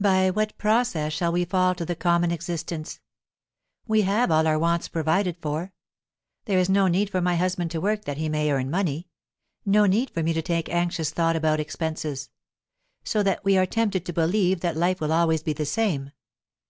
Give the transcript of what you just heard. By what process shall we fall to the common existence? We have all our wants provided for; there is no need for my husband to work that he may earn money, no need for me to take anxious thought about expenses; so that we are tempted to believe that life will always be the same.